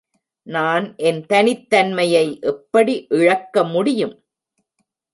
நான் என் தனித் தன்மையை எப்படி இழக்க முடியும்?